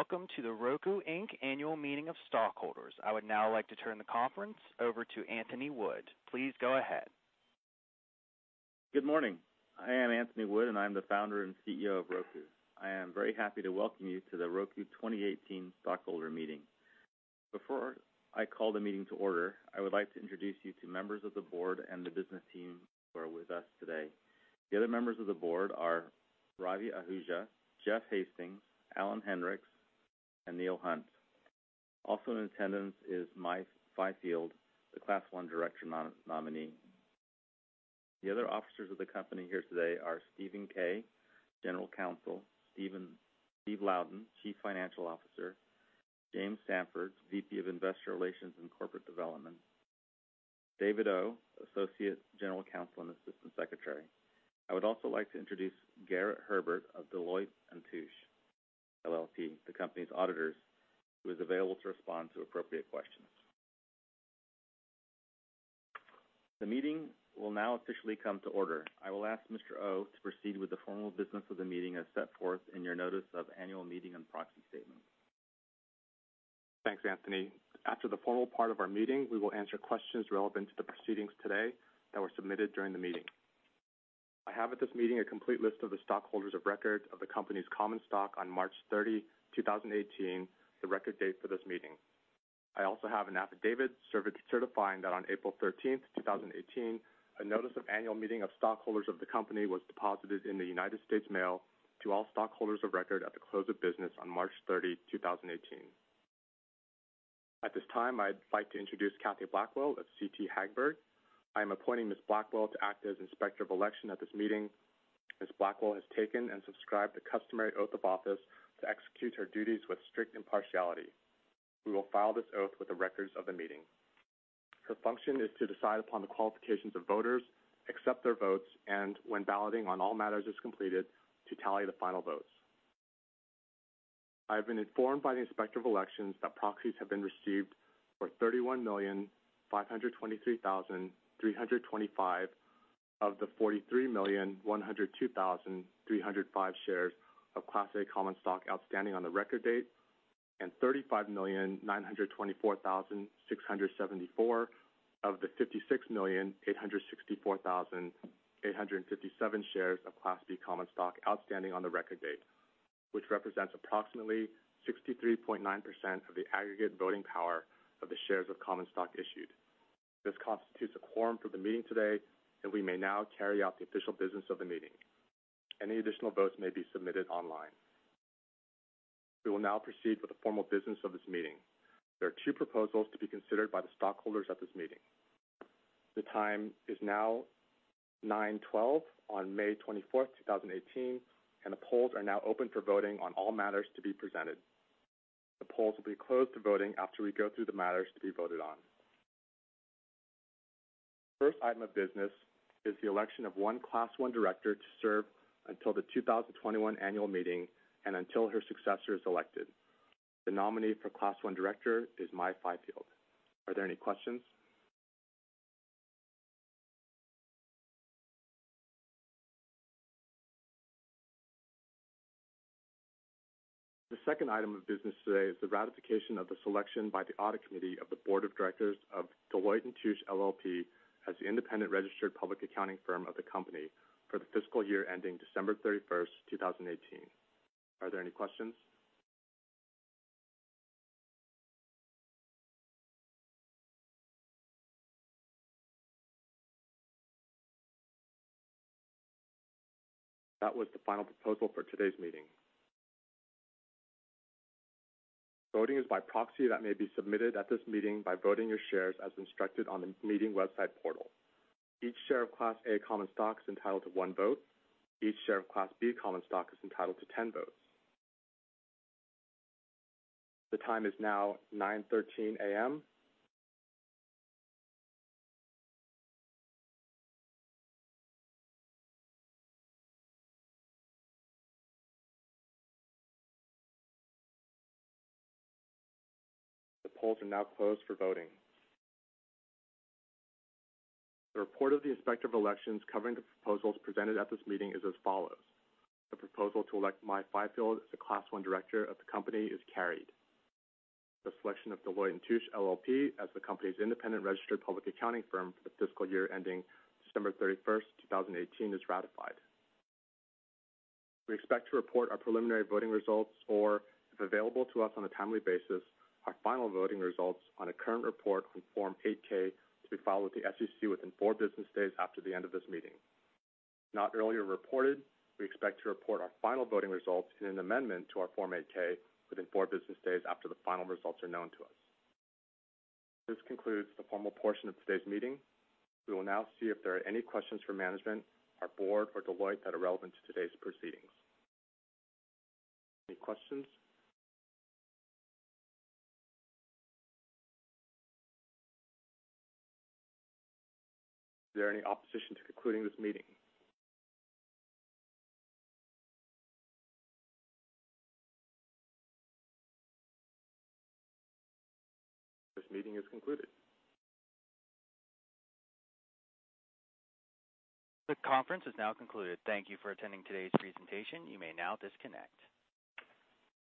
Good morning. Welcome to the Roku, Inc. annual meeting of stockholders. I would now like to turn the conference over to Anthony Wood. Please go ahead. Good morning. I am Anthony Wood, and I'm the Founder and CEO of Roku. I am very happy to welcome you to the Roku 2018 Stockholder Meeting. Before I call the meeting to order, I would like to introduce you to members of the board and the business team who are with us today. The other members of the board are Ravi Ahuja, Jeffrey Hastings, Alan Henricks, and Neil Hunt. Also in attendance is Mai Fyfield, the Class I director nominee. The other officers of the company here today are Stephen Kay, General Counsel, Steve Louden, Chief Financial Officer, James Sanford, VP of Investor Relations and Corporate Development, David Oh, Associate General Counsel and Assistant Secretary. I would also like to introduce Garrett Herbert of Deloitte & Touche LLP, the company's auditors, who is available to respond to appropriate questions. The meeting will now officially come to order. I will ask Mr. Oh to proceed with the formal business of the meeting as set forth in your notice of annual meeting and proxy statement. Thanks, Anthony. After the formal part of our meeting, we will answer questions relevant to the proceedings today that were submitted during the meeting. I have at this meeting a complete list of the stockholders of record of the company's common stock on March 30, 2018, the record date for this meeting. I also have an affidavit certifying that on April 13th, 2018, a notice of annual meeting of stockholders of the company was deposited in the United States mail to all stockholders of record at the close of business on March 30, 2018. At this time, I'd like to introduce Kathy Blackwell of CT Hagberg. I am appointing Ms. Blackwell to act as Inspector of Election at this meeting. Ms. Blackwell has taken and subscribed the customary oath of office to execute her duties with strict impartiality. We will file this oath with the records of the meeting. Her function is to decide upon the qualifications of voters, accept their votes, and when balloting on all matters is completed, to tally the final votes. I have been informed by the Inspector of Elections that proxies have been received for 31,523,325 of the 43,102,305 shares of Class A common stock outstanding on the record date, and 35,924,674 of the 56,864,857 shares of Class B common stock outstanding on the record date, which represents approximately 63.9% of the aggregate voting power of the shares of common stock issued. This constitutes a quorum for the meeting today. We may now carry out the official business of the meeting. Any additional votes may be submitted online. We will now proceed with the formal business of this meeting. There are two proposals to be considered by the stockholders at this meeting. The time is now 9:12 A.M. on May 24th, 2018. The polls are now open for voting on all matters to be presented. The polls will be closed to voting after we go through the matters to be voted on. First item of business is the election of one Class I director to serve until the 2021 annual meeting and until her successor is elected. The nominee for Class I director is Mai Fyfield. Are there any questions? The second item of business today is the ratification of the selection by the Audit Committee of the Board of Directors of Deloitte & Touche LLP as the independent registered public accounting firm of the company for the fiscal year ending December 31st, 2018. Are there any questions? That was the final proposal for today's meeting. Voting is by proxy that may be submitted at this meeting by voting your shares as instructed on the meeting website portal. Each share of Class A common stock is entitled to one vote. Each share of Class B common stock is entitled to 10 votes. The time is now 9:13 A.M. The polls are now closed for voting. The report of the Inspector of Elections covering the proposals presented at this meeting is as follows: The proposal to elect Mai Fyfield as the Class I director of the company is carried. The selection of Deloitte & Touche LLP as the company's independent registered public accounting firm for the fiscal year ending December 31st, 2018, is ratified. We expect to report our preliminary voting results, or if available to us on a timely basis, our final voting results on a current report on Form 8-K to be filed with the SEC within four business days after the end of this meeting. If not earlier reported, we expect to report our final voting results in an amendment to our Form 8-K within four business days after the final results are known to us. This concludes the formal portion of today's meeting. We will now see if there are any questions for management, our board, or Deloitte that are relevant to today's proceedings. Any questions? Is there any opposition to concluding this meeting? This meeting is concluded. This conference is now concluded. Thank you for attending today's presentation. You may now disconnect.